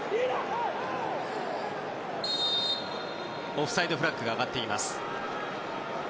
オフサイドフラッグが上がっています。